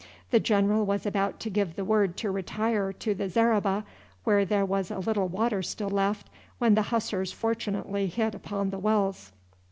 The general was about to give the word to retire to the zareba where there was a little water still left, when the Hussars fortunately hit upon the wells.